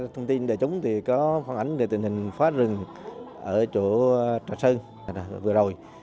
thông tin đề chúng có phát hình tình hình phá rừng ở chỗ trà sơn vừa rồi